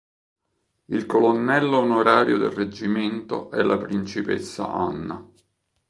Il colonnello onorario del reggimento è la principessa Anna.